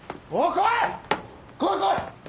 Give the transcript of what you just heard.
来い来い！」